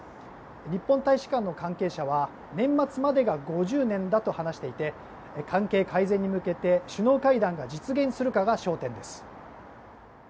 日本大使館の関係者は年末までが５０年だと話していて関係改善に向けて首脳会談が実現するかが焦点です。